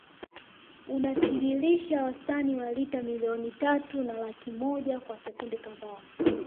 Unatiririsha wastani wa lita milioni tatu na laki moja kwa sekunde kadhaa